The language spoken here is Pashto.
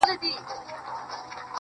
خالقه د آسمان په کناره کي سره ناست وو~